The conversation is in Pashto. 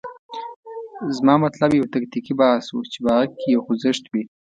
زما مطلب یو تکتیکي بحث و، چې په هغه کې یو خوځښت وي.